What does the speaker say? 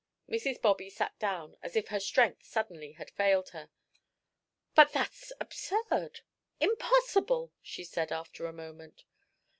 Mrs. Bobby sat down as if her strength suddenly had failed her. "But that's absurd impossible!" she said, after a moment.